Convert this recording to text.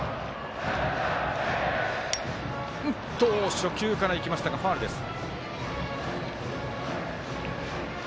初球からいきましたがファウルです。